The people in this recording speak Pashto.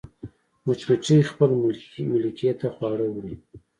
مچمچۍ خپل ملکې ته خواړه وړي